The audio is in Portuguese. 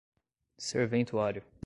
serventuário